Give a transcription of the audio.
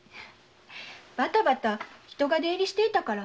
バタバタ人が出入りしていたから。